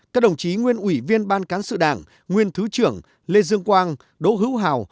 các đồng chí nguyên ủy viên ban cán sự đảng nguyên thứ trưởng lê dương quang đỗ hữu hào